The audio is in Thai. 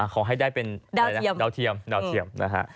ขอให้ได้เป็นดาวเทียม